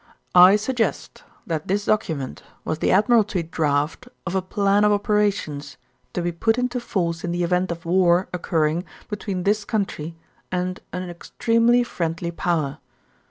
I suggest that this document was the Admiralty draft of a plan of operations to be put into force in the event of war occurring between this country and an extremely friendly power.